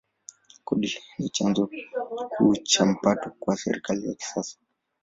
Kodi ni chanzo kuu cha mapato kwa serikali ya kisasa.